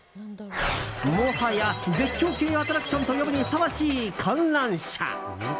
もはや絶叫系アトラクションと呼ぶにふさわしい観覧車。